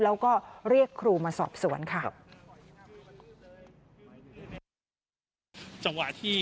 แล้วก็เรียกครูมาสอบสวนค่ะ